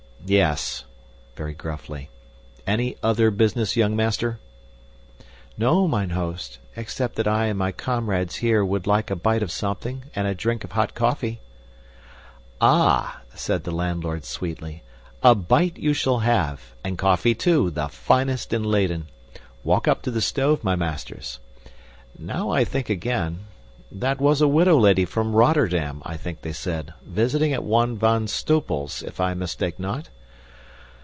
"Yes." Very gruffly. "Any other business, young master?" "No, mine host, except that I and my comrades here would like a bite of something and a drink of hot coffee." "Ah," said the landlord sweetly, "a bite you shall have, and coffee, too, the finest in Leyden. Walk up to the stove, my masters now I think again that was a widow lady from Rotterdam, I think they said, visiting at one Van Stoepel's if I mistake not."